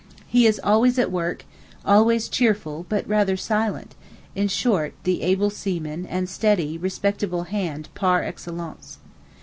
He is always at work, always cheerful, but rather silent—in short, the able seaman and steady, respectable 'hand' par excellence.